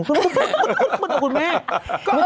มันก็เป็นแบบเหมือนบท่องหมาก